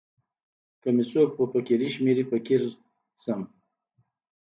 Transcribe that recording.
که می څوک په فقیری شمېري فقیر سم.